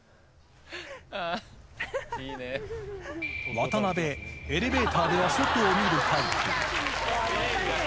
渡辺、エレベーターでは外を見るタイプ。